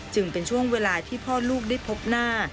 จึงเป็นช่วงเวลาที่พ่อลูกได้พบหน้า